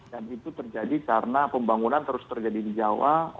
dan itu terjadi karena pembangunan terus terjadi di jawa